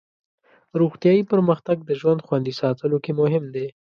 روغتیایي پرمختګ د ژوند خوندي ساتلو کې مهم دی.